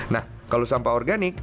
nah kalau sampah organik